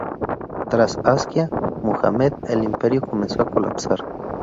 Tras Askia Muhammad, el Imperio comenzó a colapsar.